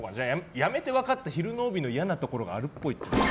やめて分かった昼の帯の嫌なところがあるっぽい。